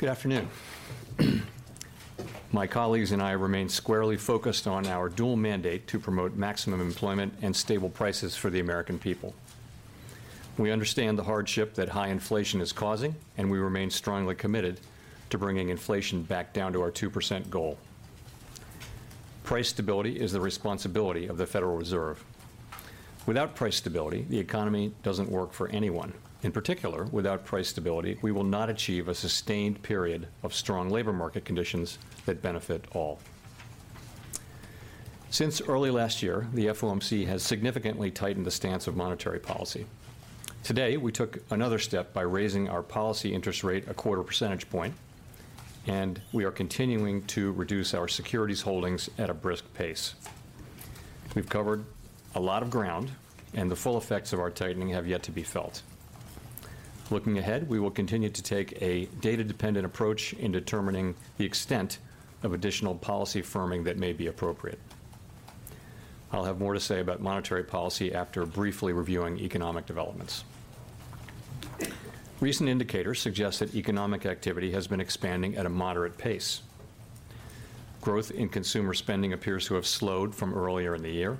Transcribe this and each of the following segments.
Good afternoon. My colleagues and I remain squarely focused on our dual mandate to promote maximum employment and stable prices for the American people. We understand the hardship that high inflation is causing, and we remain strongly committed to bringing inflation back down to our 2% goal. Price stability is the responsibility of the Federal Reserve. Without price stability, the economy doesn't work for anyone. In particular, without price stability, we will not achieve a sustained period of strong labor market conditions that benefit all. Since early last year, the FOMC has significantly tightened the stance of monetary policy. Today, we took another step by raising our policy interest rate a quarter percentage point, and we are continuing to reduce our securities holdings at a brisk pace. We've covered a lot of ground, and the full effects of our tightening have yet to be felt. Looking ahead, we will continue to take a data-dependent approach in determining the extent of additional policy firming that may be appropriate. I'll have more to say about monetary policy after briefly reviewing economic developments. Recent indicators suggest that economic activity has been expanding at a moderate pace. Growth in consumer spending appears to have slowed from earlier in the year.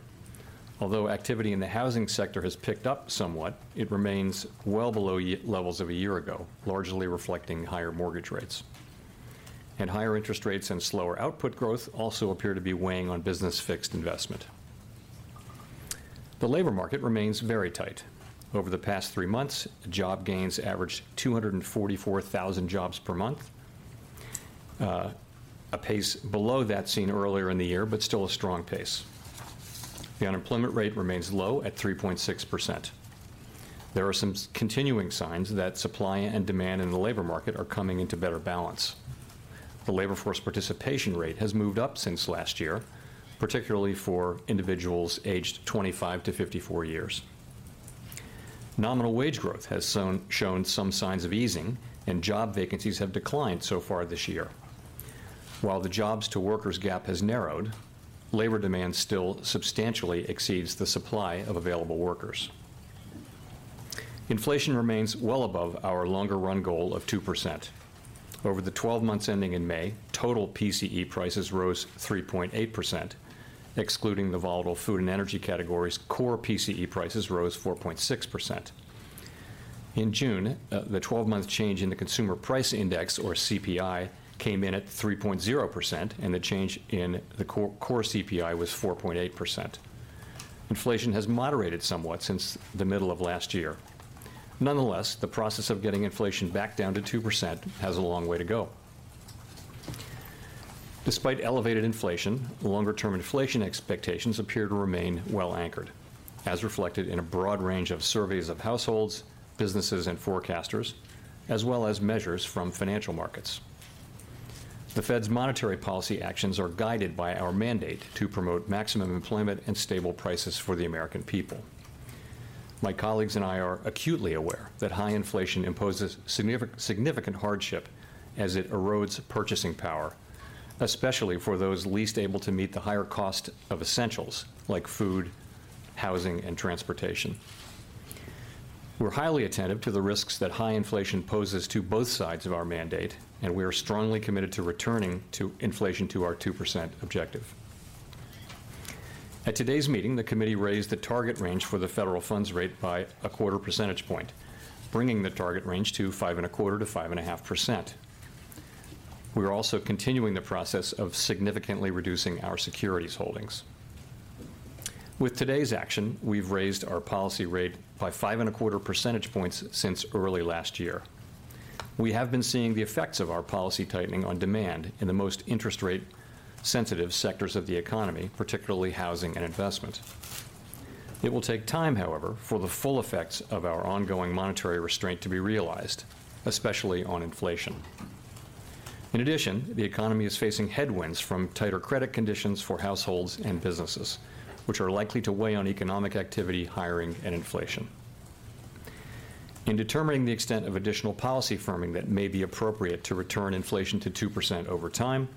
Although activity in the housing sector has picked up somewhat, it remains well below levels of a year ago, largely reflecting higher mortgage rates. Higher interest rates and slower output growth also appear to be weighing on business fixed investment. The labor market remains very tight. Over the past three months, job gains averaged 244,000 jobs per month, a pace below that seen earlier in the year, but still a strong pace. The unemployment rate remains low at 3.6%. There are some continuing signs that supply and demand in the labor market are coming into better balance. The labor force participation rate has moved up since last year, particularly for individuals aged 25 to 54 years. Nominal wage growth has shown some signs of easing, and job vacancies have declined so far this year. While the jobs-to-workers gap has narrowed, labor demand still substantially exceeds the supply of available workers. Inflation remains well above our longer run goal of 2%. Over the 12 months ending in May, total PCE prices rose 3.8%. Excluding the volatile food and energy categories, core PCE prices rose 4.6%. In June, the 12-month change in the Consumer Price Index, or CPI, came in at 3.0%, and the change in the core CPI was 4.8%. Inflation has moderated somewhat since the middle of last year. Nonetheless, the process of getting inflation back down to 2% has a long way to go. Despite elevated inflation, longer-term inflation expectations appear to remain well anchored, as reflected in a broad range of surveys of households, businesses, and forecasters, as well as measures from financial markets. The Fed's monetary policy actions are guided by our mandate to promote maximum employment and stable prices for the American people. My colleagues and I are acutely aware that high inflation imposes significant hardship as it erodes purchasing power, especially for those least able to meet the higher cost of essentials like food, housing, and transportation. We're highly attentive to the risks that high inflation poses to both sides of our mandate, and we are strongly committed to returning to inflation to our 2% objective. At today's meeting, the committee raised the target range for the federal funds rate by a quarter percentage point, bringing the target range to 5.25%-5.5%. We are also continuing the process of significantly reducing our securities holdings. With today's action, we've raised our policy rate by 5.25 percentage points since early last year. We have been seeing the effects of our policy tightening on demand in the most interest rate-sensitive sectors of the economy, particularly housing and investment. It will take time, however, for the full effects of our ongoing monetary restraint to be realized, especially on inflation. In addition, the economy is facing headwinds from tighter credit conditions for households and businesses, which are likely to weigh on economic activity, hiring, and inflation. In determining the extent of additional policy firming that may be appropriate to return inflation to 2% over time,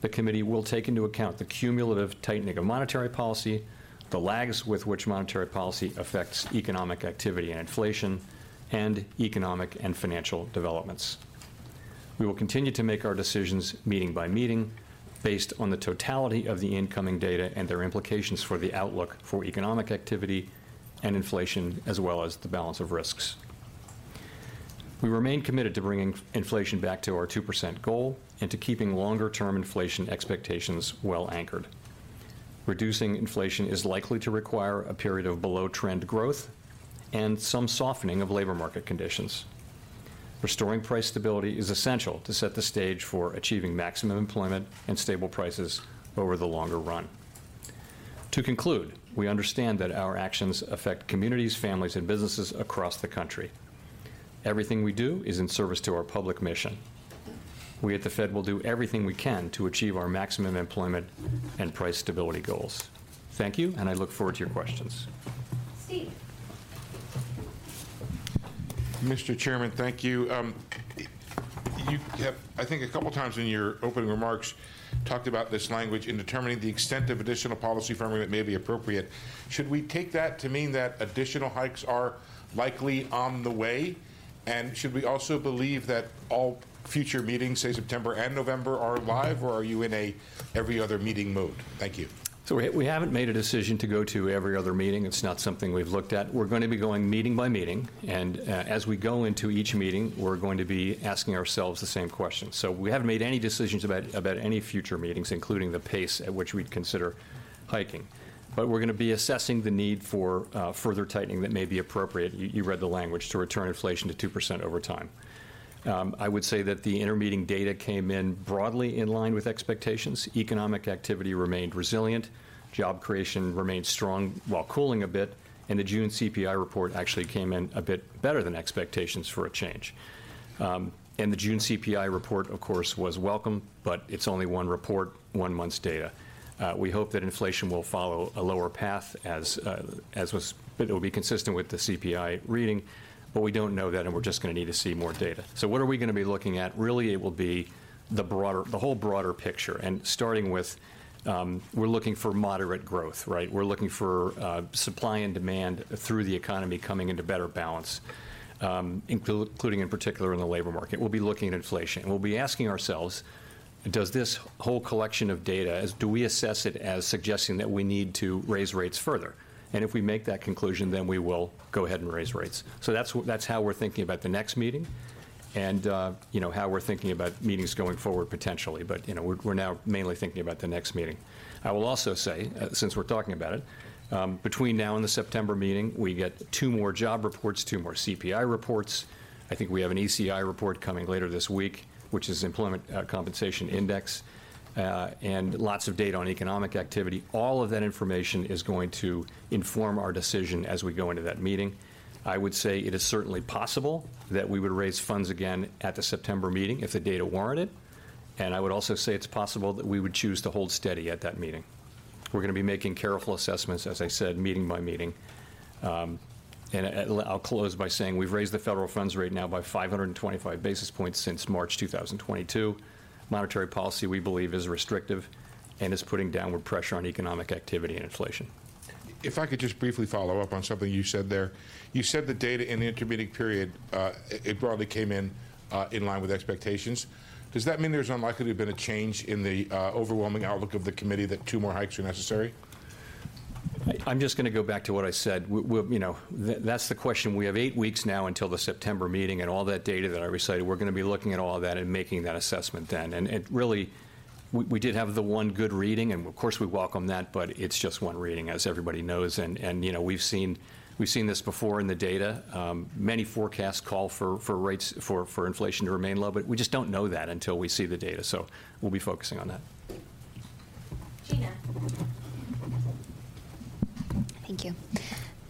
the committee will take into account the cumulative tightening of monetary policy, the lags with which monetary policy affects economic activity and inflation, and economic and financial developments. We will continue to make our decisions meeting by meeting based on the totality of the incoming data and their implications for the outlook for economic activity and inflation, as well as the balance of risks. We remain committed to bringing inflation back to our 2% goal and to keeping longer-term inflation expectations well anchored. Reducing inflation is likely to require a period of below-trend growth and some softening of labor market conditions. Restoring price stability is essential to set the stage for achieving maximum employment and stable prices over the longer run. To conclude, we understand that our actions affect communities, families, and businesses across the country. Everything we do is in service to our public mission. We at the Fed will do everything we can to achieve our maximum employment and price stability goals. Thank you, and I look forward to your questions. Steve? Mr. Chairman, thank you. You have, I think a couple times in your opening remarks, talked about this language, "In determining the extent of additional policy firming that may be appropriate." Should we take that to mean that additional hikes are likely on the way? Should we also believe that all future meetings, say, September and November, are live, or are you in a every other meeting mode? Thank you. We haven't made a decision to go to every other meeting. It's not something we've looked at. We're gonna be going meeting by meeting, and as we go into each meeting, we're going to be asking ourselves the same question. We haven't made any decisions about any future meetings, including the pace at which we'd consider hiking. We're gonna be assessing the need for further tightening that may be appropriate, you read the language, to return inflation to 2% over time. I would say that the intermeeting data came in broadly in line with expectations. Economic activity remained resilient, job creation remained strong, while cooling a bit, and the June CPI report actually came in a bit better than expectations for a change. The June CPI report, of course, was welcome, but it's only one report, one month's data. We hope that inflation will follow a lower path, as it will be consistent with the CPI reading, but we don't know that, and we're just gonna need to see more data. What are we gonna be looking at? Really, it will be the whole broader picture, starting with, we're looking for moderate growth, right? We're looking for, supply and demand through the economy coming into better balance, including, in particular, in the labor market. We'll be looking at inflation, and we'll be asking ourselves: Does this whole collection of data, do we assess it as suggesting that we need to raise rates further? If we make that conclusion, we will go ahead and raise rates. That's how we're thinking about the next meeting and, you know, how we're thinking about meetings going forward, potentially. You know, we're now mainly thinking about the next meeting. I will also say, since we're talking about it, between now and the September meeting, we get two more job reports, two more CPI reports. I think we have an ECI report coming later this week, which is Employment Compensation Index, and lots of data on economic activity. All of that information is going to inform our decision as we go into that meeting. I would say it is certainly possible that we would raise funds again at the September meeting, if the data warrant it, and I would also say it's possible that we would choose to hold steady at that meeting. We're gonna be making careful assessments, as I said, meeting by meeting. I'll close by saying we've raised the federal funds rate now by 525 basis points since March 2022. Monetary policy, we believe, is restrictive and is putting downward pressure on economic activity and inflation. If I could just briefly follow up on something you said there. You said the data in the intermeeting period, it broadly came in line with expectations. Does that mean there's unlikely to have been a change in the overwhelming outlook of the committee, that two more hikes are necessary? I'm just gonna go back to what I said. We'll, you know. That's the question. We have eight weeks now until the September meeting. All that data that I recited, we're gonna be looking at all that and making that assessment then. Really, we did have the one good reading, and of course, we welcome that, but it's just one reading, as everybody knows. You know, we've seen this before in the data. Many forecasts call for rates, for inflation to remain low, but we just don't know that until we see the data, so we'll be focusing on that. Jeanna. Thank you.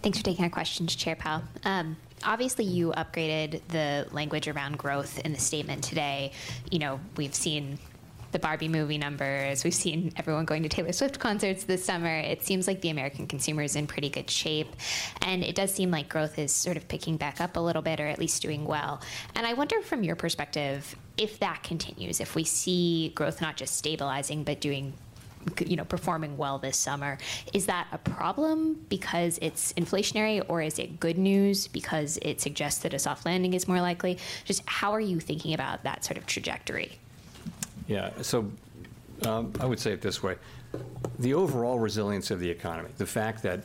Thanks for taking our questions, Chair Powell. Obviously, you upgraded the language around growth in the statement today. You know, we've seen the Barbie movie numbers. We've seen everyone going to Taylor Swift concerts this summer. It seems like the American consumer is in pretty good shape, and it does seem like growth is sort of picking back up a little bit, or at least you know, performing well this summer, is that a problem because it's inflationary, or is it good news because it suggests that a soft landing is more likely? Just how are you thinking about that sort of trajectory? Yeah. I would say it this way: The overall resilience of the economy, the fact that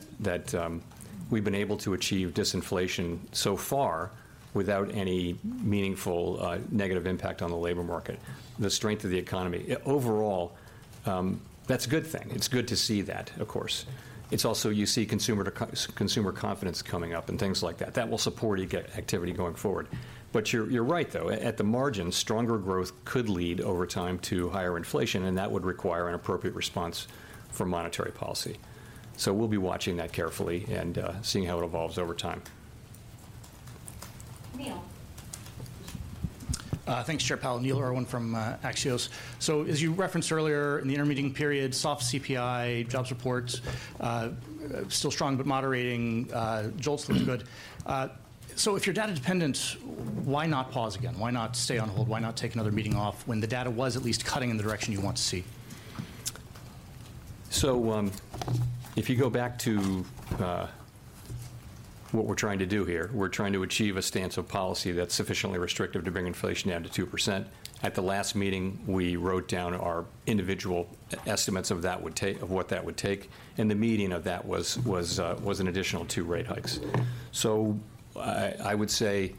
we've been able to achieve disinflation so far without any meaningful negative impact on the labor market, the strength of the economy overall, that's a good thing. It's good to see that, of course. It's also, you see consumer confidence coming up and things like that. That will support activity going forward. You're right, though. At the margin, stronger growth could lead, over time, to higher inflation, and that would require an appropriate response from monetary policy. We'll be watching that carefully and seeing how it evolves over time. Neil. Thanks, Chair Powell. Neil Irwin from Axios. As you referenced earlier, in the intermeeting period, soft CPI, jobs reports, still strong but moderating, JOLTS looks good. If you're data-dependent, why not pause again? Why not stay on hold? Why not take another meeting off, when the data was at least cutting in the direction you want to see? If you go back to what we're trying to do here, we're trying to achieve a stance of policy that's sufficiently restrictive to bring inflation down to 2%. At the last meeting, we wrote down our individual estimates of what that would take, the meaning of that was an additional 2 rate hikes. I would say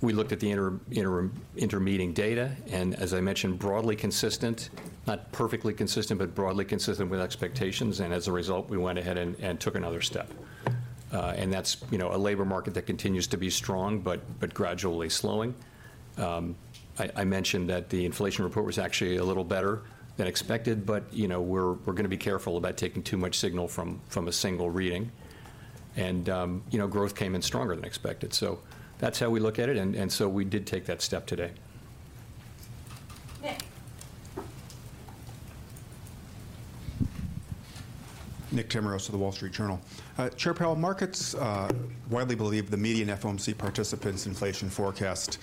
we looked at the intermeeting data, as I mentioned, broadly consistent, not perfectly consistent, but broadly consistent with expectations, as a result, we went ahead and took another step. That's, you know, a labor market that continues to be strong, but gradually slowing. I mentioned that the inflation report was actually a little better than expected, but, you know, we're gonna be careful about taking too much signal from a single reading. You know, growth came in stronger than expected. That's how we look at it, and so we did take that step today. Nick Timiraos of The Wall Street Journal. Chair Powell, markets widely believe the median FOMC participants inflation forecast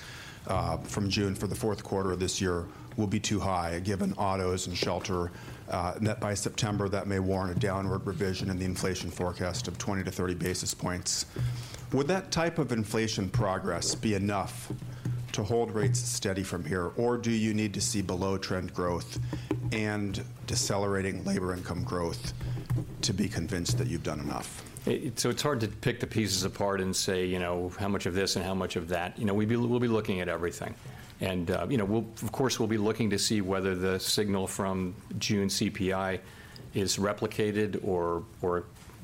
from June for the fourth quarter of this year will be too high, given autos and shelter, and that by September, that may warrant a downward revision in the inflation forecast of 20-30 basis points. Would that type of inflation progress be enough to hold rates steady from here, or do you need to see below-trend growth and decelerating labor income growth to be convinced that you've done enough? It's hard to pick the pieces apart and say, you know, how much of this and how much of that. You know, we'll be, we'll be looking at everything. You know, of course, we'll be looking to see whether the signal from June CPI is replicated or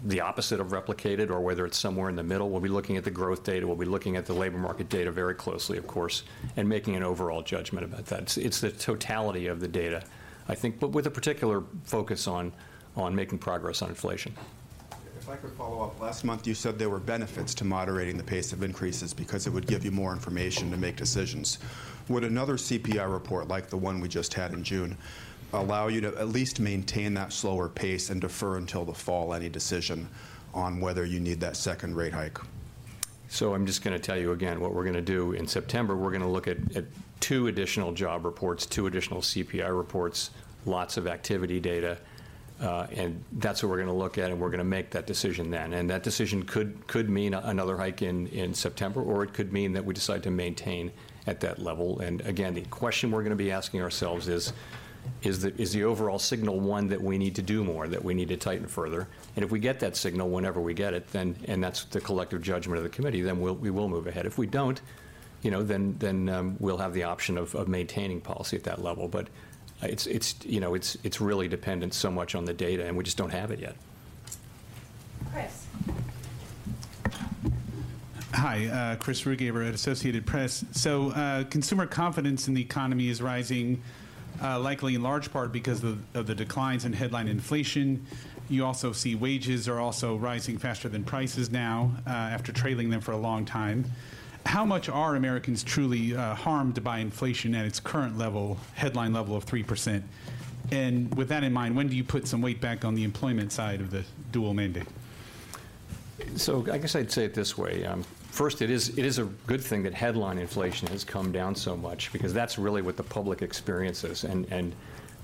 the opposite of replicated, or whether it's somewhere in the middle. We'll be looking at the growth data, we'll be looking at the labor market data very closely, of course, and making an overall judgment about that. It's, it's the totality of the data, I think, but with a particular focus on making progress on inflation. If I could follow up, last month, you said there were benefits to moderating the pace of increases because it would give you more information to make decisions. Would another CPI report, like the one we just had in June, allow you to at least maintain that slower pace and defer until the fall any decision on whether you need that second rate hike? I'm just gonna tell you again, what we're gonna do in September, we're gonna look at two additional job reports, two additional CPI reports, lots of activity data, and that's what we're gonna look at, and we're gonna make that decision then. That decision could mean another hike in September, or it could mean that we decide to maintain at that level. Again, the question we're gonna be asking ourselves is the overall signal one that we need to do more, that we need to tighten further? If we get that signal, whenever we get it, then, and that's the collective judgment of the committee, then we'll move ahead. If we don't, you know, then, we'll have the option of maintaining policy at that level. It's, you know, it's really dependent so much on the data, and we just don't have it yet. Chris. Hi, Chris Rugaber at Associated Press. Consumer confidence in the economy is rising, likely in large part because of the declines in headline inflation. You also see wages are also rising faster than prices now, after trailing them for a long time. How much are Americans truly harmed by inflation at its current level, headline level of 3%? With that in mind, when do you put some weight back on the employment side of the dual mandate? I guess I'd say it this way, first, it is a good thing that headline inflation has come down so much because that's really what the public experiences.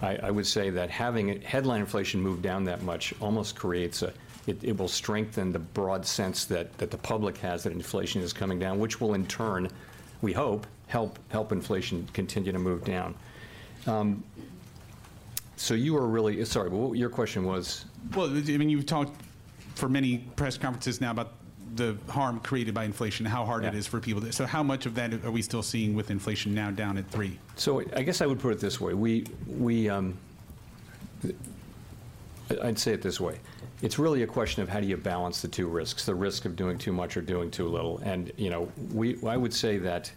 I would say that having headline inflation move down that much almost creates a... It will strengthen the broad sense that the public has, that inflation is coming down, which will, in turn, we hope, help inflation continue to move down. You are really, sorry, what your question was? Well, I mean, you've talked for many press conferences now about the harm created by inflation. Yeah... how hard it is for people. How much of that are we still seeing with inflation now down at 3%? I guess I would put it this way. We, I'd say it this way: It's really a question of how do you balance the two risks, the risk of doing too much or doing too little. You know, I would say that,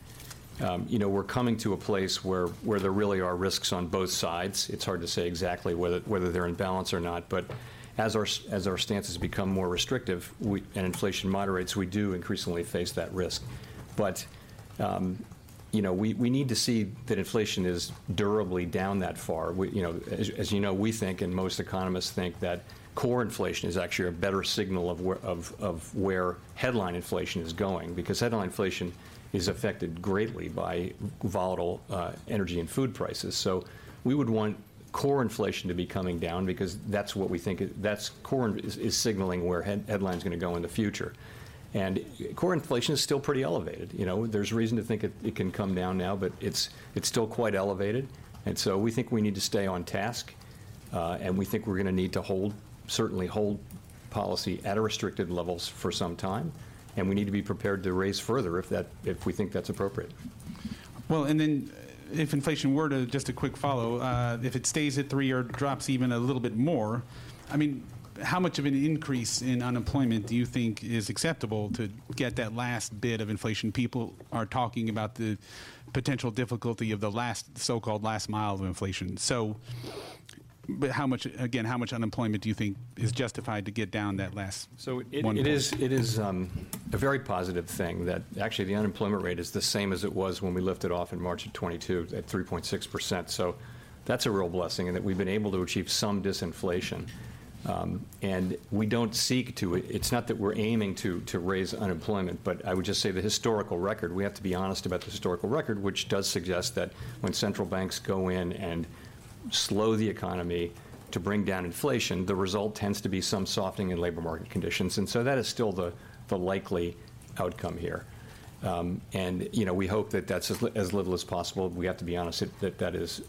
you know, we're coming to a place where there really are risks on both sides. It's hard to say exactly whether they're in balance or not, but as our stances become more restrictive, we, and inflation moderates, we do increasingly face that risk. You know, we need to see that inflation is durably down that far. We, you know, as you know, we think, and most economists think, that core inflation is actually a better signal of where, of where headline inflation is going, because headline inflation is affected greatly by volatile energy and food prices. We would want core inflation to be coming down because that's what we think is, Core is signaling where headline is gonna go in the future. Core inflation is still pretty elevated. You know, there's reason to think it can come down now, but it's still quite elevated, and so we think we need to stay on task, and we think we're gonna need to certainly hold policy at a restricted levels for some time, and we need to be prepared to raise further if we think that's appropriate. Well, if inflation were to, just a quick follow, if it stays at 3 or drops even a little bit more, I mean, how much of an increase in unemployment do you think is acceptable to get that last bit of inflation? People are talking about the potential difficulty of the last, so-called last mile of inflation. How much, again, how much unemployment do you think is justified to get down that last- it is... one point? It is a very positive thing that actually the unemployment rate is the same as it was when we lifted off in March of 2022, at 3.6%. That's a real blessing, and that we've been able to achieve some disinflation. We don't seek to, it's not that we're aiming to raise unemployment, but I would just say the historical record, we have to be honest about the historical record, which does suggest that when central banks go in and slow the economy to bring down inflation, the result tends to be some softening in labor market conditions. That is still the likely outcome here. You know, we hope that that's as little as possible. We have to be honest, that is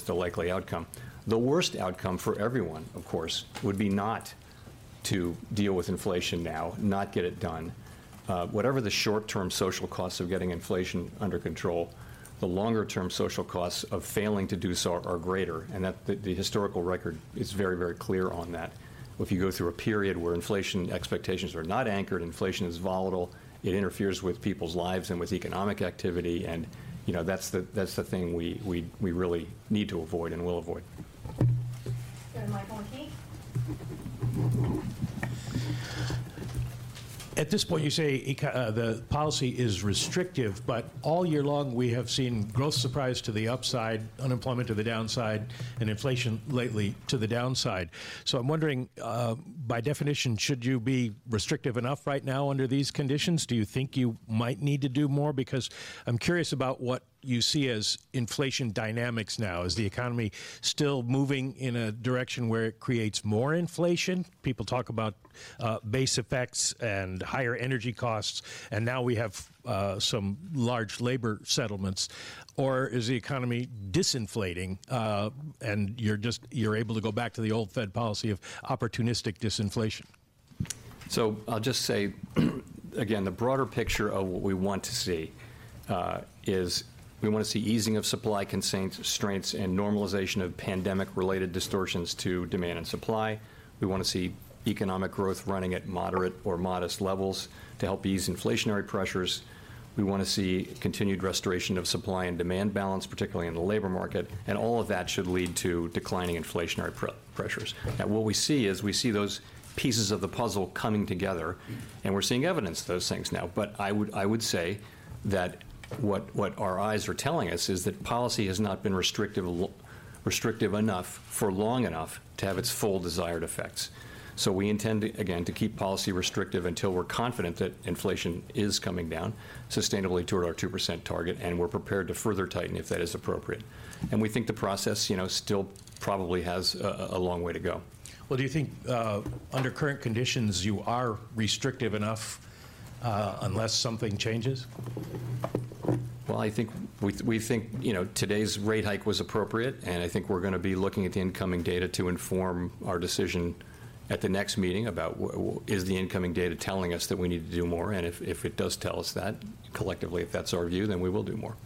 the likely outcome. The worst outcome for everyone, of course, would be not to deal with inflation now, not get it done. Whatever the short-term social costs of getting inflation under control, the longer-term social costs of failing to do so are greater, and that the historical record is very, very clear on that. If you go through a period where inflation expectations are not anchored, inflation is volatile, it interferes with people's lives and with economic activity, and, you know, that's the thing we really need to avoid and will avoid. Go to Michael McKee. At this point, you say the policy is restrictive. All year long, we have seen growth surprise to the upside, unemployment to the downside, and inflation lately to the downside. I'm wondering, by definition, should you be restrictive enough right now under these conditions? Do you think you might need to do more? I'm curious about what you see as inflation dynamics now. Is the economy still moving in a direction where it creates more inflation? People talk about base effects and higher energy costs, and now we have some large labor settlements. Is the economy disinflating, and you're able to go back to the old Fed policy of opportunistic disinflation? I'll just say, again, the broader picture of what we want to see is we want to see easing of supply constraints, strengths, and normalization of pandemic-related distortions to demand and supply. We want to see economic growth running at moderate or modest levels to help ease inflationary pressures. We want to see continued restoration of supply and demand balance, particularly in the labor market, and all of that should lead to declining inflationary pressures. Now, what we see is, we see those pieces of the puzzle coming together, and we're seeing evidence of those things now. I would say that what our eyes are telling us is that policy has not been restrictive enough for long enough to have its full desired effects. We intend, again, to keep policy restrictive until we're confident that inflation is coming down sustainably toward our 2% target, and we're prepared to further tighten, if that is appropriate. We think the process, you know, still probably has a long way to go. Do you think, under current conditions, you are restrictive enough, unless something changes? Well, I think we think, you know, today's rate hike was appropriate, and I think we're gonna be looking at the incoming data to inform our decision at the next meeting about is the incoming data telling us that we need to do more? If it does tell us that, collectively, if that's our view, then we will do more.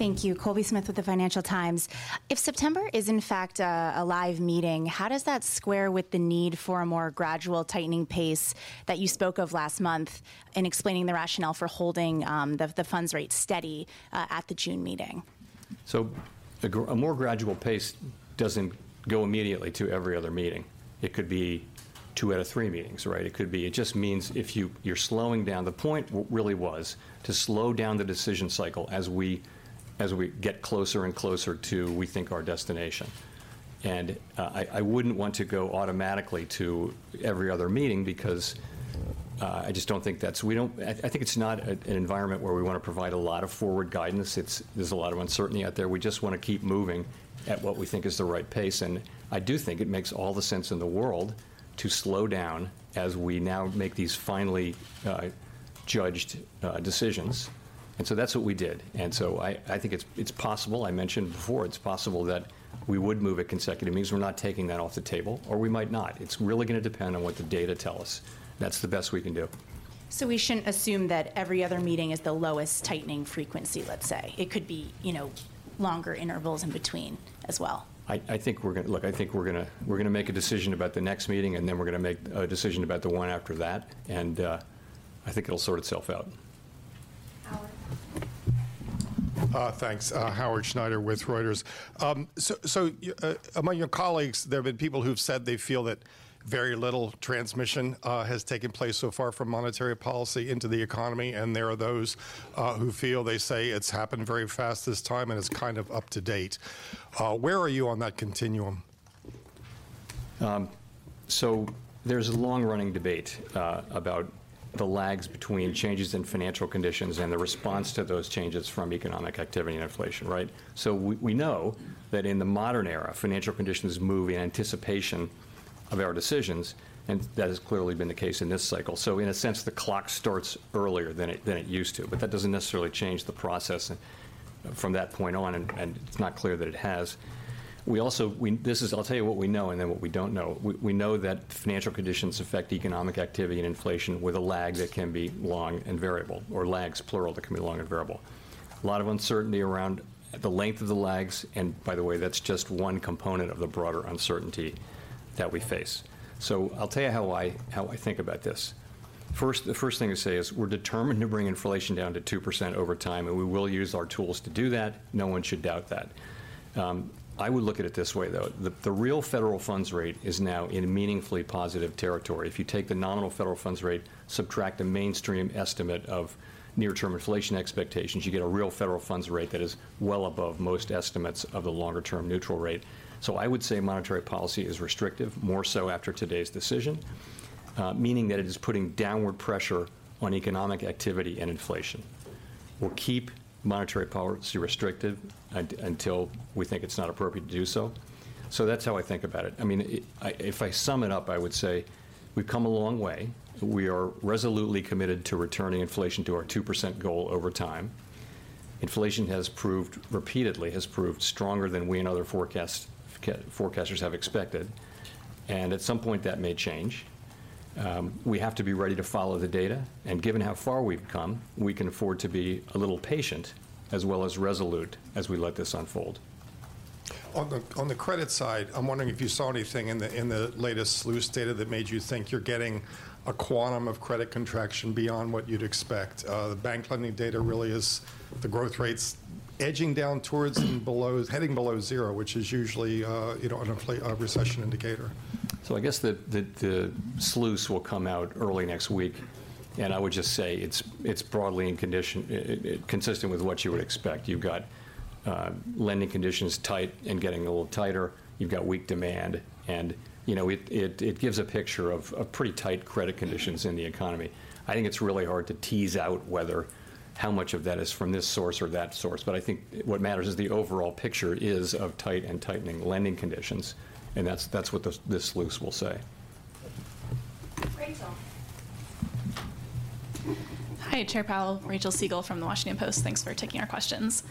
Colby. Thank you. Colby Smith with the Financial Times. If September is, in fact, a live meeting, how does that square with the need for a more gradual tightening pace that you spoke of last month in explaining the rationale for holding the funds rate steady at the June meeting? A more gradual pace doesn't go immediately to every other meeting. It could be 2 out of 3 meetings, right? It just means if you're slowing down. The point really was to slow down the decision cycle as we get closer and closer to, we think, our destination. I wouldn't want to go automatically to every other meeting because I just don't think that's, we don't, I think it's not an environment where we want to provide a lot of forward guidance. There's a lot of uncertainty out there. We just want to keep moving at what we think is the right pace, and I do think it makes all the sense in the world to slow down as we now make these finely judged decisions. That's what we did. I think it's possible, I mentioned before, it's possible that we would move at consecutive meetings. We're not taking that off the table. We might not. It's really gonna depend on what the data tell us. That's the best we can do. We shouldn't assume that every other meeting is the lowest tightening frequency, let's say. It could be, you know, longer intervals in between as well. I think Look, I think we're gonna, we're gonna make a decision about the next meeting. We're gonna make a decision about the one after that. I think it'll sort itself out. Howard. Thanks. Howard Schneider with Reuters. Among your colleagues, there have been people who've said they feel that very little transmission has taken place so far from monetary policy into the economy, and there are those who feel, they say it's happened very fast this time, and it's kind of up to date. Where are you on that continuum? There's a long-running debate about the lags between changes in financial conditions and the response to those changes from economic activity and inflation, right? We know that in the modern era, financial conditions move in anticipation of our decisions, and that has clearly been the case in this cycle. In a sense, the clock starts earlier than it used to, but that doesn't necessarily change the process from that point on, and it's not clear that it has. We also, I'll tell you what we know and then what we don't know. We know that financial conditions affect economic activity and inflation with a lag that can be long and variable, or lags, plural, that can be long and variable. A lot of uncertainty around the length of the lags, and by the way, that's just one component of the broader uncertainty that we face. I'll tell you how I, how I think about this. First, the first thing to say is, we're determined to bring inflation down to 2% over time, and we will use our tools to do that. No one should doubt that. I would look at it this way, though, the real federal funds rate is now in meaningfully positive territory. If you take the nominal federal funds rate, subtract the mainstream estimate of near-term inflation expectations, you get a real federal funds rate that is well above most estimates of the longer-term neutral rate. I would say monetary policy is restrictive, more so after today's decision, meaning that it is putting downward pressure on economic activity and inflation. We'll keep monetary policy restrictive until we think it's not appropriate to do so. That's how I think about it. I mean, if I sum it up, I would say we've come a long way. We are resolutely committed to returning inflation to our 2% goal over time. Inflation repeatedly has proved stronger than we and other forecasters have expected, and at some point, that may change. We have to be ready to follow the data, and given how far we've come, we can afford to be a little patient, as well as resolute, as we let this unfold. On the, on the credit side, I'm wondering if you saw anything in the, in the latest SLOOS data that made you think you're getting a quantum of credit contraction beyond what you'd expect? The bank lending data really is, the growth rates-... edging down towards and below, heading below zero, which is usually, you know, a recession indicator. I guess the SLOOS will come out early next week, and I would just say it's broadly in condition, consistent with what you would expect. You've got lending conditions tight and getting a little tighter. You've got weak demand, you know, it gives a picture of pretty tight credit conditions in the economy. I think it's really hard to tease out whether how much of that is from this source or that source. I think what matters is the overall picture is of tight and tightening lending conditions, and that's what this SLOOS will say. Rachel. Hi, Chair Powell. Rachel Siegel from The Washington Post. Thanks for taking our questions.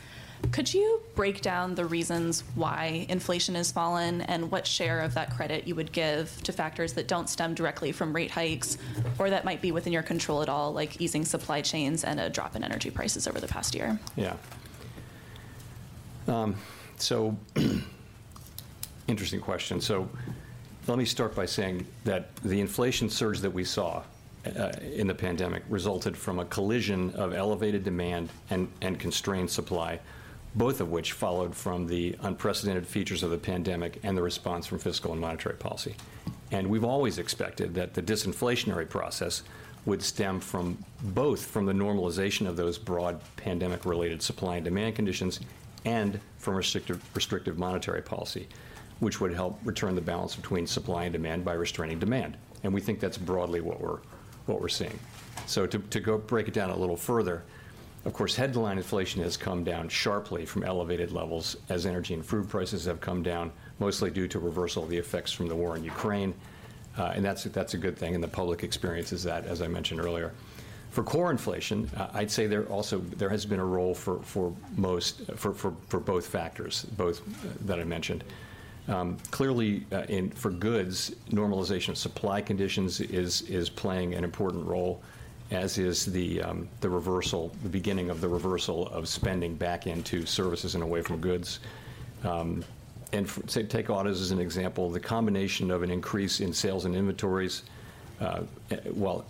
Could you break down the reasons why inflation has fallen, and what share of that credit you would give to factors that don't stem directly from rate hikes or that might be within your control at all, like easing supply chains and a drop in energy prices over the past year? Yeah. Interesting question. Let me start by saying that the inflation surge that we saw in the pandemic resulted from a collision of elevated demand and constrained supply, both of which followed from the unprecedented features of the pandemic and the response from fiscal and monetary policy. We've always expected that the disinflationary process would stem from both from the normalization of those broad pandemic-related supply and demand conditions and from restrictive monetary policy, which would help return the balance between supply and demand by restraining demand, and we think that's broadly what we're seeing. To go break it down a little further, of course, headline inflation has come down sharply from elevated levels as energy and food prices have come down, mostly due to reversal of the effects from the war in Ukraine. That's a good thing, and the public experiences that, as I mentioned earlier. For core inflation, I'd say there also there has been a role for most for both factors, both that I mentioned. Clearly, in for goods, normalization of supply conditions is playing an important role, as is the reversal, the beginning of the reversal of spending back into services and away from goods. Say, take autos as an example, the combination of an increase in sales and inventories, while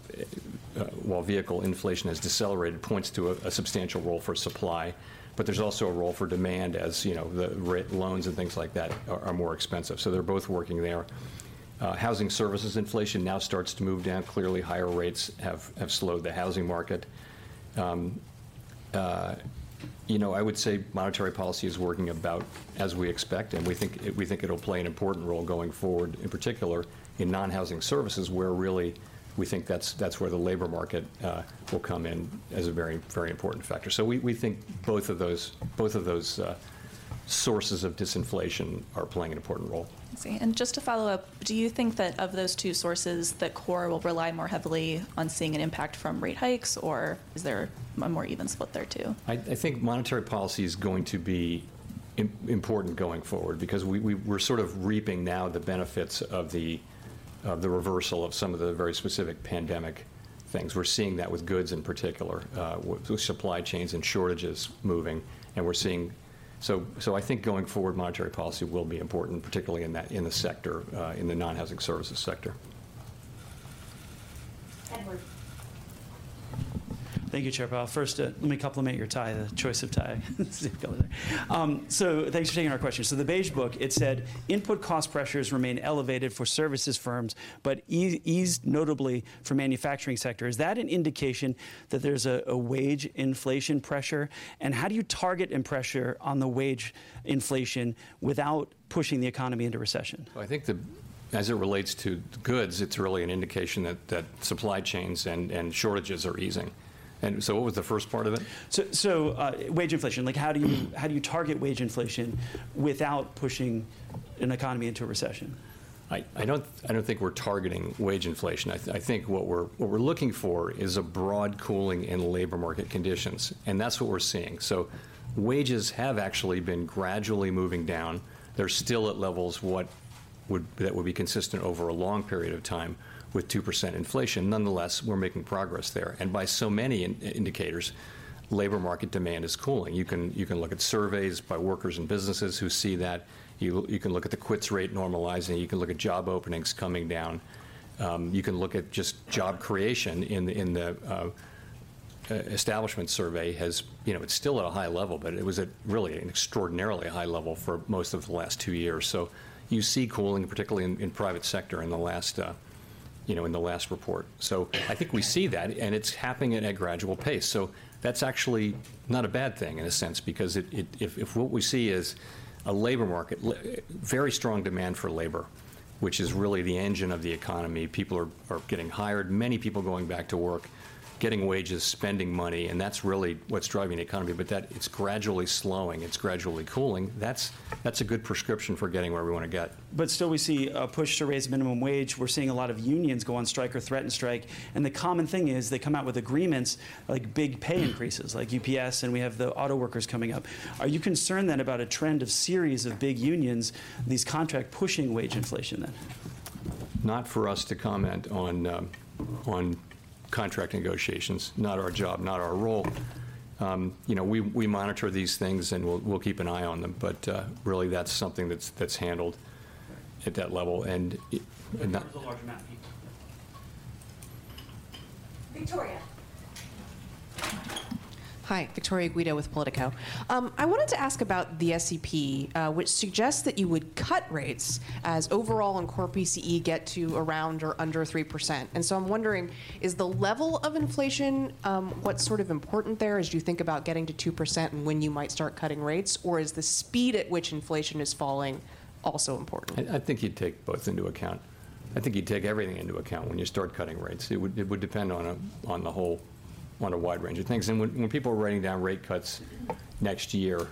vehicle inflation has decelerated, points to a substantial role for supply. There's also a role for demand, as, you know, the loans and things like that are more expensive, so they're both working there. Housing services inflation now starts to move down. Clearly, higher rates have slowed the housing market. you know, I would say monetary policy is working about as we expect, and we think it'll play an important role going forward, in particular in non-housing services, where really we think that's where the labor market will come in as a very important factor. We think both of those, both of those sources of disinflation are playing an important role. I see. Just to follow up, do you think that of those two sources, the core will rely more heavily on seeing an impact from rate hikes, or is there a more even split there, too? I think monetary policy is going to be important going forward because we're sort of reaping now the benefits of the reversal of some of the very specific pandemic things. We're seeing that with goods in particular, with supply chains and shortages moving, and we're seeing. I think going forward, monetary policy will be important, particularly in that, in the sector, in the non-housing services sector. Edward. Thank you, Chair Powell. First, let me compliment your tie, the choice of tie. Thanks for taking our questions. The Beige Book, it said, "Input cost pressures remain elevated for services firms but eased notably for manufacturing sector." Is that an indication that there's a wage inflation pressure, and how do you target in pressure on the wage inflation without pushing the economy into recession? Well, I think the, as it relates to goods, it's really an indication that supply chains and shortages are easing. What was the first part of it? Wage inflation, like how do you target wage inflation without pushing an economy into a recession? I don't think we're targeting wage inflation. I think what we're looking for is a broad cooling in labor market conditions. That's what we're seeing. Wages have actually been gradually moving down. They're still at levels that would be consistent over a long period of time with 2% inflation. Nonetheless, we're making progress there. By so many indicators, labor market demand is cooling. You can look at surveys by workers and businesses who see that. You can look at the quits rate normalizing. You can look at job openings coming down. You can look at just job creation in the establishment survey. You know, it's still at a high level, but it was at really an extraordinarily high level for most of the last 2 years. You see cooling, particularly in private sector, in the last, you know, in the last report. I think we see that, and it's happening at a gradual pace. That's actually not a bad thing in a sense, because it, if what we see is a labor market very strong demand for labor, which is really the engine of the economy, people are getting hired, many people going back to work, getting wages, spending money, and that's really what's driving the economy. That, it's gradually slowing. It's gradually cooling. That's a good prescription for getting where we want to get. Still, we see a push to raise minimum wage. We're seeing a lot of unions go on strike or threaten strike, and the common thing is they come out with agreements like big pay increases, like UPS, and we have the auto workers coming up. Are you concerned then about a trend of series of big unions, these contract pushing wage inflation, then? Not for us to comment on contract negotiations. Not our job, not our role. You know, we monitor these things, and we'll keep an eye on them, but really, that's something that's handled at that level. There's a large amount of people. Victoria? Hi, Victoria Guida with Politico. I wanted to ask about the SEP, which suggests that you would cut rates as overall and core PCE get to around or under 3%. I'm wondering, is the level of inflation, what's sort of important there as you think about getting to 2% and when you might start cutting rates, or is the speed at which inflation is falling also important? I think you'd take both into account. I think you'd take everything into account when you start cutting rates. It would depend on a wide range of things. When people are writing down rate cuts next year,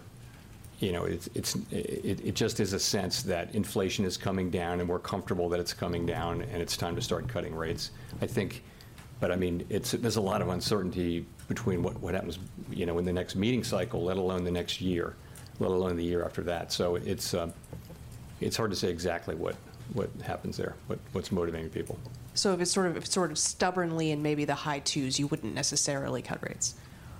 you know, it just is a sense that inflation is coming down, and we're comfortable that it's coming down, and it's time to start cutting rates. I think. I mean, there's a lot of uncertainty between what happens, you know, in the next meeting cycle, let alone the next year, let alone the year after that. It's hard to say exactly what happens there, what's motivating people. If it's sort of stubbornly in maybe the high twos, you wouldn't necessarily cut rates?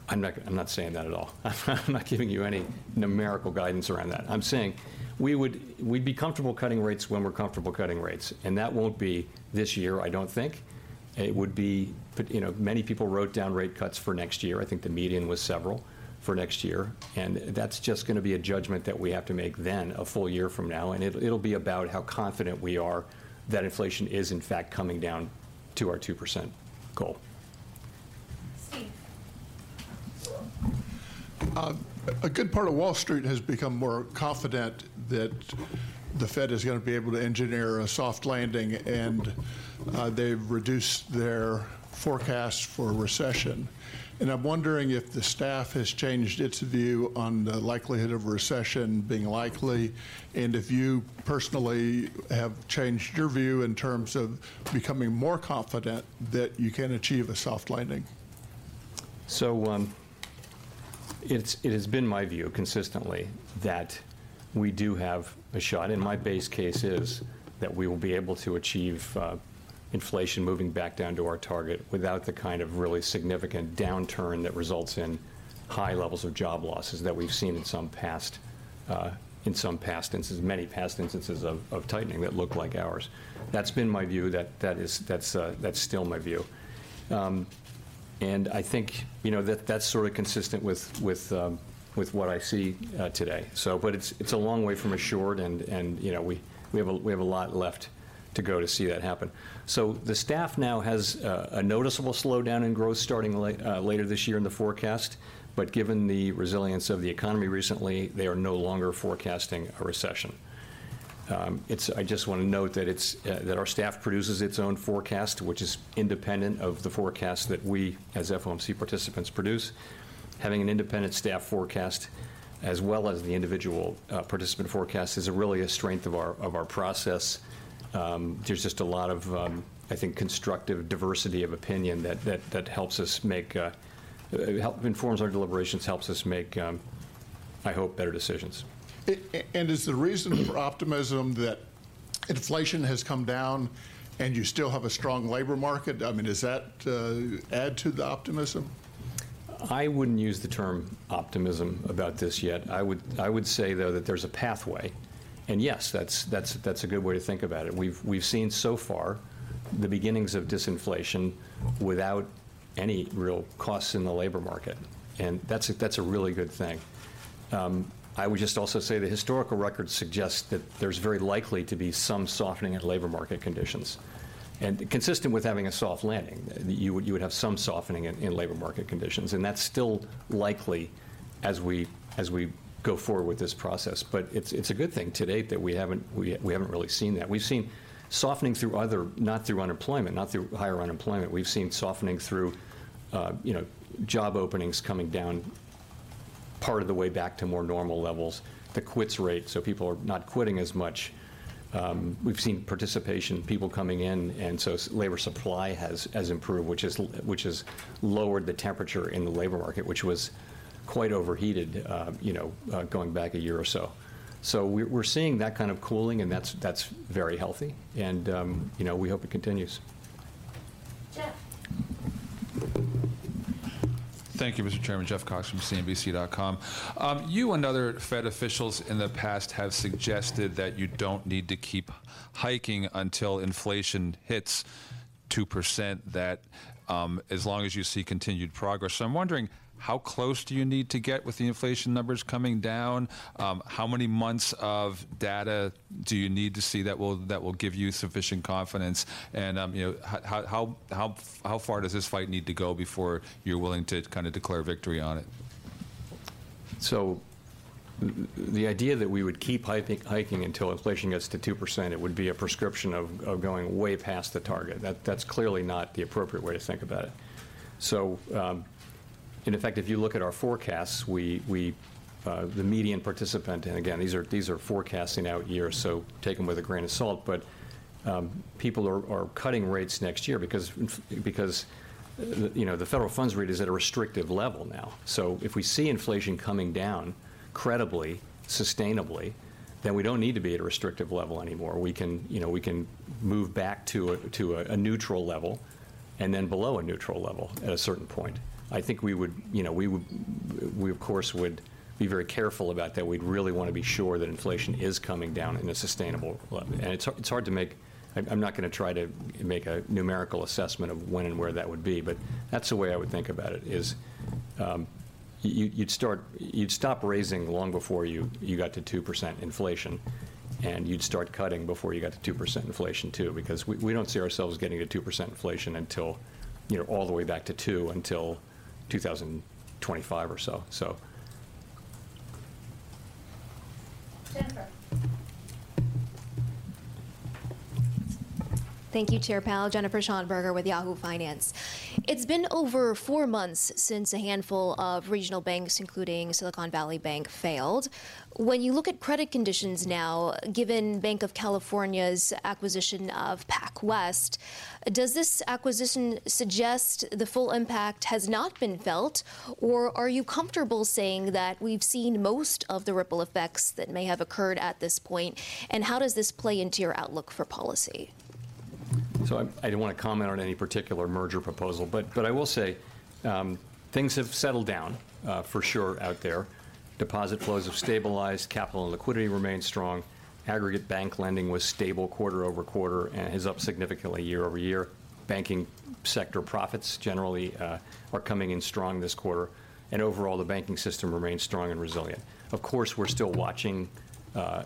I'm not saying that at all. I'm not giving you any numerical guidance around that. I'm saying we'd be comfortable cutting rates when we're comfortable cutting rates, and that won't be this year, I don't think. It would be. You know, many people wrote down rate cuts for next year. I think the median was several for next year, and that's just gonna be a judgment that we have to make then, a full year from now. It'll be about how confident we are that inflation is, in fact, coming down to our 2% goal. Steve. A good part of Wall Street has become more confident that the Fed is gonna be able to engineer a soft landing, and they've reduced their forecast for a recession. I'm wondering if the staff has changed its view on the likelihood of a recession being likely, and if you personally have changed your view in terms of becoming more confident that you can achieve a soft landing? It has been my view, consistently, that we do have a shot, and my base case is that we will be able to achieve inflation moving back down to our target without the kind of really significant downturn that results in high levels of job losses that we've seen in some past, in some past instances, many past instances of tightening that look like ours. That's been my view. That's still my view. I think, you know, that that's sort of consistent with what I see today. But it's a long way from assured, and, you know, we have a lot left to go to see that happen. The staff now has a noticeable slowdown in growth starting later this year in the forecast, but given the resilience of the economy recently, they are no longer forecasting a recession. I just want to note that it's that our staff produces its own forecast, which is independent of the forecast that we, as FOMC participants, produce. Having an independent staff forecast, as well as the individual participant forecast, is really a strength of our, of our process. There's just a lot of, I think, constructive diversity of opinion that helps us make, help informs our deliberations, helps us make, I hope, better decisions. Is the reason for optimism that inflation has come down and you still have a strong labor market? I mean, does that add to the optimism? I wouldn't use the term optimism about this yet. I would say, though, that there's a pathway, and yes, that's a good way to think about it. We've seen so far the beginnings of disinflation without any real costs in the labor market, and that's a really good thing. I would just also say the historical record suggests that there's very likely to be some softening of labor market conditions. Consistent with having a soft landing, you would have some softening in labor market conditions, and that's still likely as we go forward with this process. It's a good thing to date that we haven't really seen that. We've seen softening through other, not through unemployment, not through higher unemployment. We've seen softening through, you know, job openings coming down part of the way back to more normal levels, the quits rate, so people are not quitting as much. We've seen participation, people coming in, and so labor supply has improved, which has lowered the temperature in the labor market, which was quite overheated, you know, going back a year or so. We're seeing that kind of cooling, and that's very healthy, and, you know, we hope it continues. Jeff. Thank you, Mr. Chairman. Jeff Cox from CNBC.com. You and other Fed officials in the past have suggested that you don't need to keep hiking until inflation hits 2%, that, as long as you see continued progress. I'm wondering, how close do you need to get with the inflation numbers coming down? How many months of data do you need to see that will, that will give you sufficient confidence? You know, how far does this fight need to go before you're willing to kind of declare victory on it? The, the idea that we would keep hiking until inflation gets to 2%, it would be a prescription of going way past the target. That's clearly not the appropriate way to think about it. In effect, if you look at our forecasts, we, the median participant, and again, these are forecasting out years, so take them with a grain of salt, but people are cutting rates next year because, you know, the federal funds rate is at a restrictive level now. If we see inflation coming down credibly, sustainably, then we don't need to be at a restrictive level anymore. We can, you know, we can move back to a neutral level, and then below a neutral level at a certain point. I think we would, you know, we, of course, would be very careful about that. We'd really want to be sure that inflation is coming down in a sustainable level. It's hard. I'm not gonna try to make a numerical assessment of when and where that would be, but that's the way I would think about it, is, you'd stop raising long before you got to 2% inflation, and you'd start cutting before you got to 2% inflation, too. We don't see ourselves getting to 2% inflation until, you know, all the way back to 2, until 2025 or so. Jennifer. Thank you, Chair Powell. Jennifer Schonberger with Yahoo Finance. It's been over four months since a handful of regional banks, including Silicon Valley Bank, failed. When you look at credit conditions now, given Banc of California's acquisition of PacWest, does this acquisition suggest the full impact has not been felt? Are you comfortable saying that we've seen most of the ripple effects that may have occurred at this point, and how does this play into your outlook for policy? I don't want to comment on any particular merger proposal, but I will say, things have settled down for sure out there. Deposit flows have stabilized, capital and liquidity remain strong, aggregate bank lending was stable quarter-over-quarter, and is up significantly year-over-year. Banking sector profits generally are coming in strong this quarter, and overall, the banking system remains strong and resilient. Of course, we're still watching,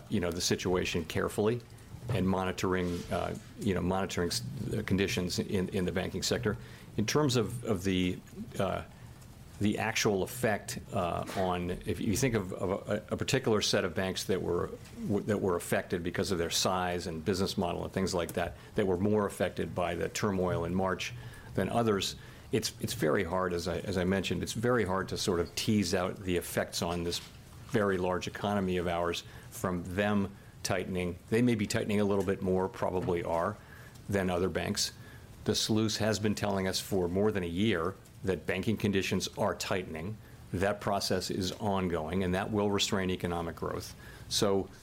you know, the situation carefully and monitoring, you know, monitoring conditions in the banking sector. In terms of the actual effect on... If you think of a particular set of banks that were affected because of their size and business model and things like that were more affected by the turmoil in March than others, it's very hard, as I mentioned, it's very hard to sort of tease out the effects on this very large economy of ours from them tightening. They may be tightening a little bit more, probably are, than other banks. The SLOOS has been telling us for more than a year that banking conditions are tightening. That process is ongoing, and that will restrain economic growth.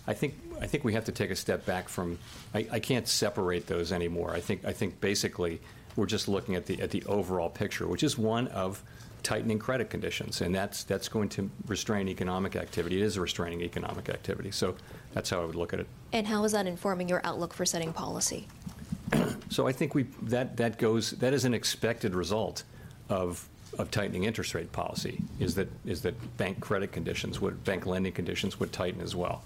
I think we have to take a step back from. I can't separate those anymore. I think basically, we're just looking at the overall picture, which is one of tightening credit conditions, and that's going to restrain economic activity. It is restraining economic activity. That's how I would look at it. How is that informing your outlook for setting policy? I think that goes, that is an expected result of tightening interest rate policy, is that bank credit conditions would, bank lending conditions would tighten as well.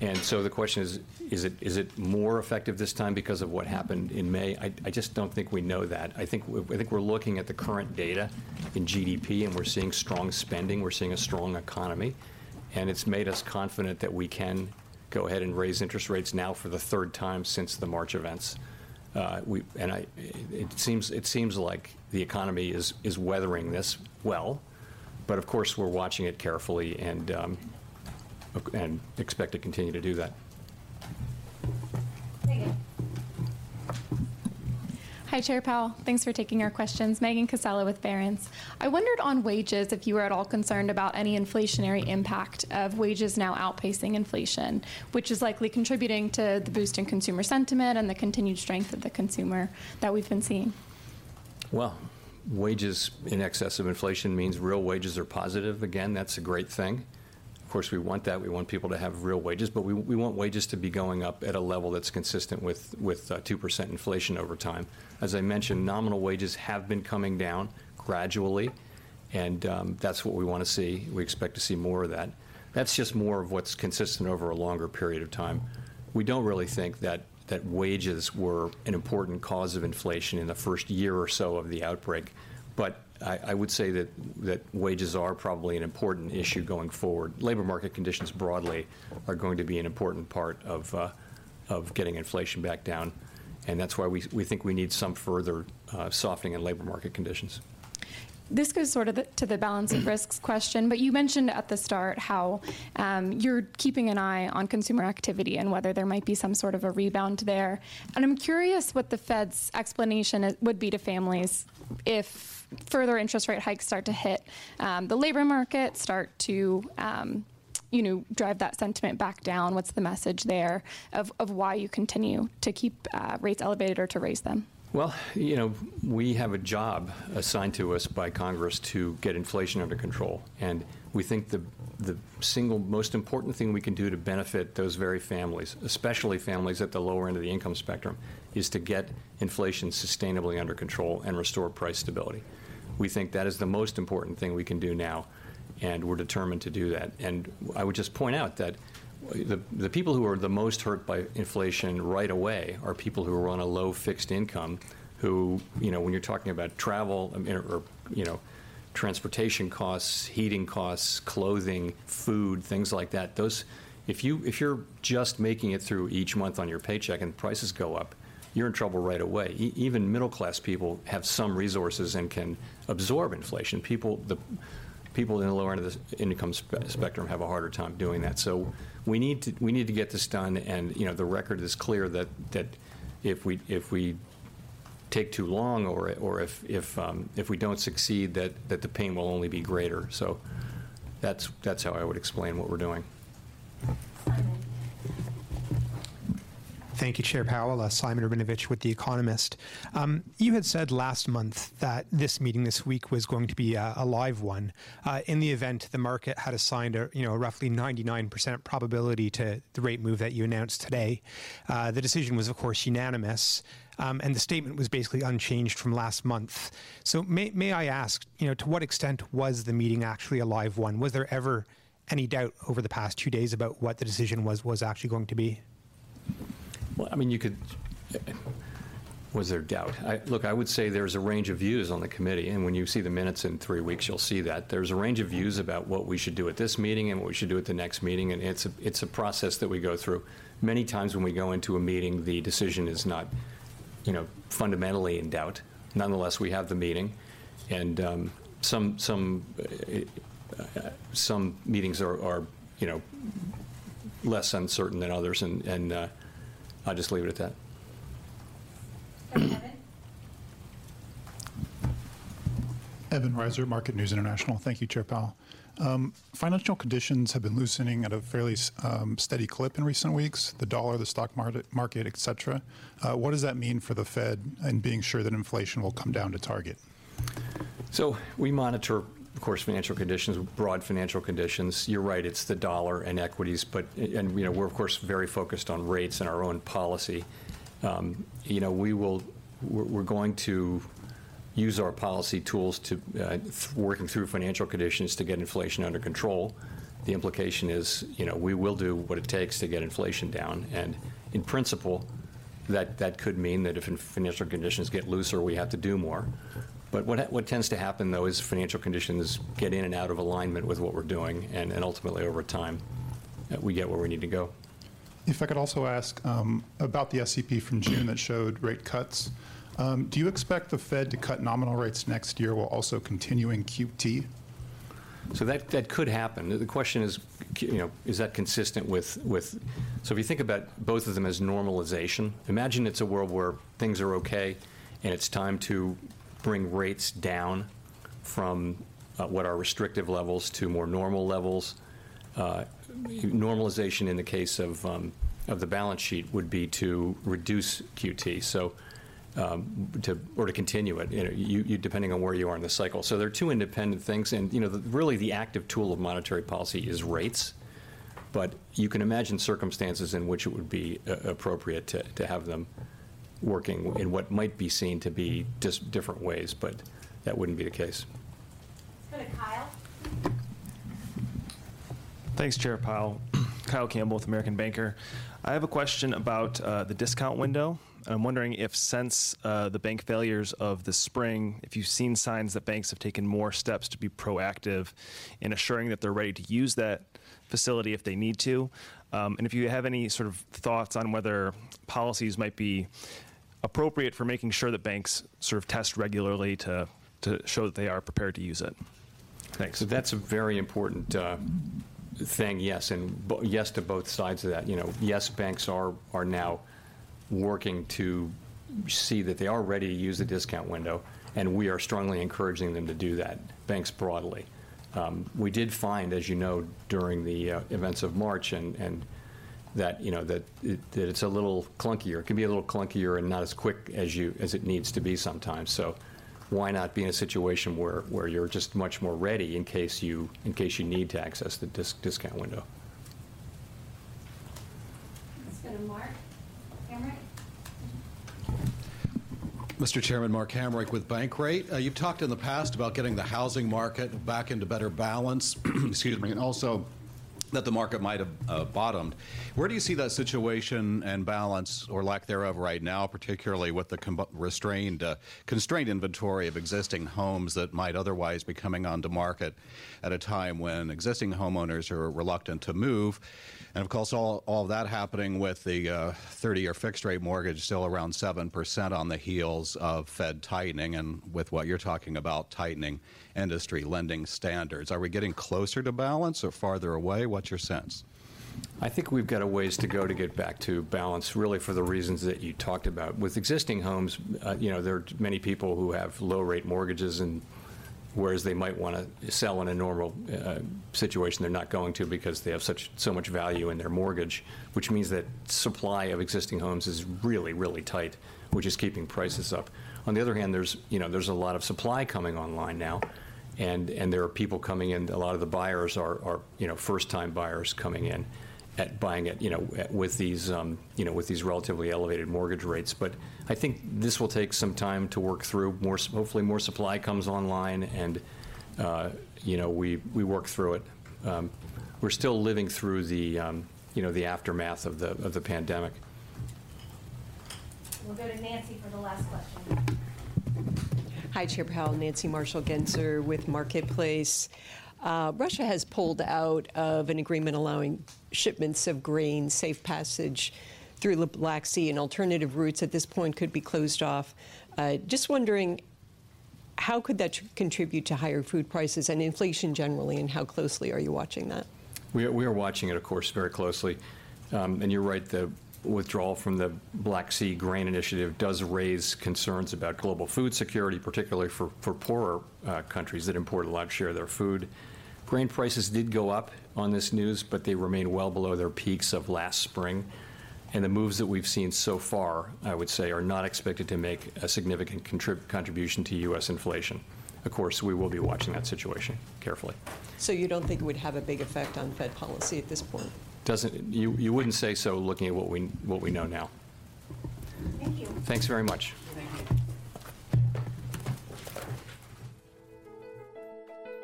The question is: Is it more effective this time because of what happened in May? I just don't think we know that. I think we're looking at the current data in GDP, and we're seeing strong spending, we're seeing a strong economy, and it's made us confident that we can go ahead and raise interest rates now for the third time since the March events. It seems like the economy is weathering this well, but of course, we're watching it carefully and expect to continue to do that. Megan. Hi, Chair Powell. Thanks for taking our questions. Megan Cassella with Barron's. I wondered on wages, if you were at all concerned about any inflationary impact of wages now outpacing inflation, which is likely contributing to the boost in consumer sentiment and the continued strength of the consumer that we've been seeing? Wages in excess of inflation means real wages are positive. Again, that's a great thing. Of course, we want that. We want people to have real wages, but we want wages to be going up at a level that's consistent with 2% inflation over time. As I mentioned, nominal wages have been coming down gradually, and that's what we want to see. We expect to see more of that. That's just more of what's consistent over a longer period of time. We don't really think that wages were an important cause of inflation in the first year or so of the outbreak, but I would say that wages are probably an important issue going forward. Labor market conditions, broadly, are going to be an important part of getting inflation back down, and that's why we think we need some further, softening in labor market conditions. This goes sort of to the balance of risks question, but you mentioned at the start how you're keeping an eye on consumer activity and whether there might be some sort of a rebound there. I'm curious what the Fed's explanation would be to families if further interest rate hikes start to hit the labor market, start to, you know, drive that sentiment back down. What's the message there of why you continue to keep rates elevated or to raise them? Well, you know, we have a job assigned to us by Congress to get inflation under control. We think the single most important thing we can do to benefit those very families, especially families at the lower end of the income spectrum, is to get inflation sustainably under control and restore price stability. We think that is the most important thing we can do now, and we're determined to do that. I would just point out that the people who are the most hurt by inflation right away are people who are on a low fixed income, who. You know, when you're talking about travel, I mean, or, you know, transportation costs, heating costs, clothing, food, things like that, those if you're just making it through each month on your paycheck and prices go up, you're in trouble right away. Even middle class people have some resources and can absorb inflation. People, the people in the lower end of the income spectrum have a harder time doing that. We need to get this done, you know, the record is clear that if we take too long or if we don't succeed, that the pain will only be greater. That's how I would explain what we're doing. Simon. Thank you, Chair Powell. Simon Rabinovitch with The Economist. You had said last month that this meeting this week was going to be a live one. In the event, the market had assigned a, you know, a roughly 99% probability to the rate move that you announced today. The decision was, of course, unanimous, and the statement was basically unchanged from last month. May I ask, you know, to what extent was the meeting actually a live one? Was there ever any doubt over the past 2 days about what the decision was actually going to be? Well, I mean, you could. Was there doubt? Look, I would say there's a range of views on the committee, and when you see the minutes in three weeks, you'll see that. There's a range of views about what we should do at this meeting and what we should do at the next meeting, and it's a process that we go through. Many times when we go into a meeting, the decision is not, you know, fundamentally in doubt. Nonetheless, we have the meeting, and some meetings are, you know, less uncertain than others, and I'll just leave it at that. Let's go to Evan. Thank you, Chair Powell. Financial conditions have been loosening at a fairly steady clip in recent weeks, the dollar, the stock market, et cetera. What does that mean for the Fed in being sure that inflation will come down to target? We monitor, of course, financial conditions, broad financial conditions. You're right, it's the dollar and equities, but, and, you know, we're of course, very focused on rates and our own policy. You know, we're going to use our policy tools to, working through financial conditions to get inflation under control. The implication is, you know, we will do what it takes to get inflation down, and in principle, that could mean that if financial conditions get looser, we have to do more. What tends to happen, though, is financial conditions get in and out of alignment with what we're doing, and ultimately, over time, we get where we need to go. If I could also ask, about the SEP from June? Mm-hmm... that showed rate cuts. Do you expect the Fed to cut nominal rates next year while also continuing QT? That could happen. The question is, you know, is that consistent with... If you think about both of them as normalization, imagine it's a world where things are okay and it's time to bring rates down from what are restrictive levels to more normal levels. Normalization in the case of the balance sheet would be to reduce QT, so, or to continue it. You know, you depending on where you are in the cycle. They're two independent things, and, you know, the, really the active tool of monetary policy is rates. You can imagine circumstances in which it would be appropriate to have them working in what might be seen to be just different ways, but that wouldn't be the case. Let's go to Kyle. Thanks, Chair Powell. Kyle Campbell with American Banker. I have a question about the discount window. I'm wondering if since the bank failures of the spring, if you've seen signs that banks have taken more steps to be proactive in assuring that they're ready to use that facility if they need to? If you have any sort of thoughts on whether policies might be appropriate for making sure that banks sort of test regularly to show that they are prepared to use it. Thanks. That's a very important thing, yes, and yes to both sides of that. You know, yes, banks are now working to see that they are ready to use the discount window, and we are strongly encouraging them to do that, banks broadly. We did find, as you know, during the events of March and that, you know, that it's a little clunkier. It can be a little clunkier and not as quick as it needs to be sometimes. Why not be in a situation where you're just much more ready in case you need to access the discount window? Let's go to Mark Hamrick. Mr. Chairman, Mark Hamrick with Bankrate. You've talked in the past about getting the housing market back into better balance, excuse me, and also that the market might have bottomed. Where do you see that situation and balance, or lack thereof, right now, particularly with the restrained, constrained inventory of existing homes that might otherwise be coming onto market at a time when existing homeowners are reluctant to move? Of course, all that happening with the 30-year fixed rate mortgage still around 7% on the heels of Fed tightening, and with what you're talking about, tightening industry lending standards. Are we getting closer to balance or farther away? What's your sense? I think we've got a ways to go to get back to balance, really, for the reasons that you talked about. With existing homes, you know, there are many people who have low-rate mortgages, whereas they might wanna sell in a normal, situation, they're not going to because they have so much value in their mortgage, which means that supply of existing homes is really, really tight, which is keeping prices up. On the other hand, there's, you know, there's a lot of supply coming online now, and there are people coming in. A lot of the buyers are, you know, first-time buyers coming in buying at, you know, with these, you know, with these relatively elevated mortgage rates. I think this will take some time to work through. More hopefully, more supply comes online, and, you know, we work through it. We're still living through the, you know, the aftermath of the pandemic. We'll go to Nancy for the last question. Hi, Chair Powell. Nancy Marshall-Genzer with Marketplace. Russia has pulled out of an agreement allowing shipments of grain safe passage through the Black Sea, and alternative routes at this point could be closed off. just wondering, how could that contribute to higher food prices and inflation generally, and how closely are you watching that? We are watching it, of course, very closely. You're right, the withdrawal from the Black Sea Grain Initiative does raise concerns about global food security, particularly for poorer countries that import a large share of their food. Grain prices did go up on this news, but they remain well below their peaks of last spring, and the moves that we've seen so far, I would say, are not expected to make a significant contribution to U.S. inflation. Of course, we will be watching that situation carefully. You don't think it would have a big effect on Fed policy at this point? You wouldn't say so, looking at what we know now. Thank you. Thanks very much. Thank you.